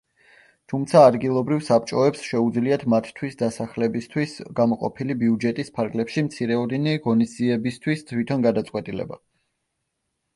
თუმცა, ადგილობრივ საბჭოებს შეუძლიათ მათთვის დასახლებისთვის გამოყოფილი ბიუჯეტის ფარგლებში მცირეოდენი ღონისძიებისთვის თვითონ გადაწყვეტილება.